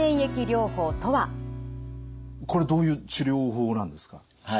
これどういう治療法なんですか？